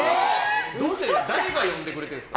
誰が呼んでくれてるんですか？